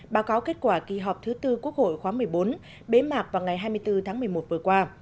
báo cáo kết quả kỳ họp thứ tư quốc hội khóa một mươi bốn bế mạc vào ngày hai mươi bốn tháng một mươi một vừa qua